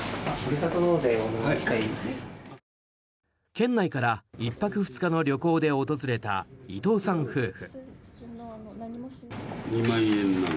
県内から１泊２日の旅行で訪れた伊藤さん夫婦。